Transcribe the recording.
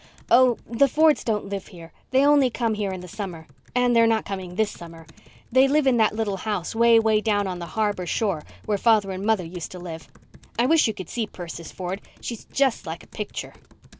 "Oh, the Fords don't live here. They only come here in the summer. And they're not coming this summer. They live in that little house 'way, 'way down on the harbour shore where father and mother used to live. I wish you could see Persis Ford. She is just like a picture."